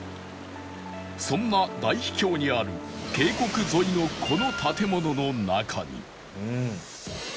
そんな大秘境にある渓谷沿いのこの建物の中に